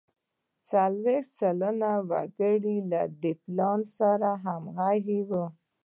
څلوېښت سلنه وګړي له دې پلان سره همغږي وو.